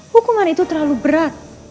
hukuman itu terlalu berat